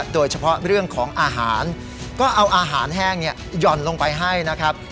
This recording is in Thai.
โดยเฉพาะเรื่องของอาหารก็เอาอาหารแห้งหย่อนลงไปให้นะครับ